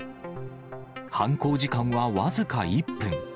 犯行時間は僅か１分。